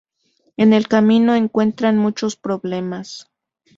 En el camino, encuentran muchos problemas.